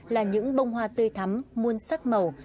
là những bông hoa tươi thắm muôn sắc màu